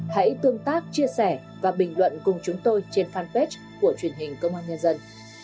hãy tương tác chia sẻ và bình luận cùng chúng tôi trên fanpage của truyền hình công an nhân dân